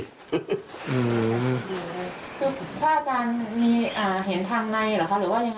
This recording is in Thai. ถ้าพ่ออาจารย์มีเห็นทางในหรอ